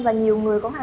và nhiều người sẽ có thể